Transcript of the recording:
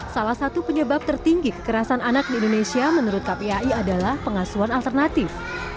salah satu penyebab tertinggi kekerasan anak di indonesia menurut kpai adalah pengasuhan alternatif